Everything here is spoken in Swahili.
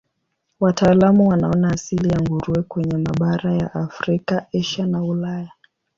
Wataalamu wanaona asili ya nguruwe kwenye mabara ya Afrika, Asia na Ulaya.